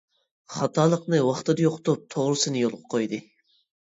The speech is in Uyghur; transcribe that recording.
خاتالىقنى ۋاقتىدا يوقىتىپ توغرىسىنى يولغا قويدى.